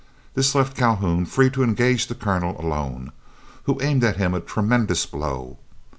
This left Calhoun free to engage the Colonel alone, who aimed at him a tremendous blow.